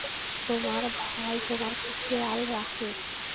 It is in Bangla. তোমার ভাই তোমার খুব খেয়াল রাখে।